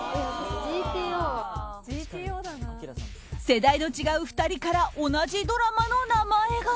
世代の違う２人から同じドラマの名前が。